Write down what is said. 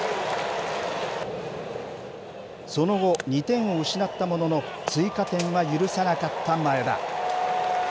その後、２点を失ったものの、追加点は許さなかった前田。